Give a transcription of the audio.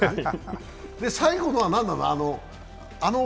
最後のは何なの？